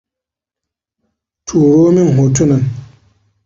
Turo min hotunan.